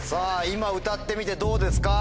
今歌ってみてどうですか？